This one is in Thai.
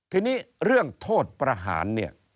ทีนี้เรื่องโทษประหารเนี่ย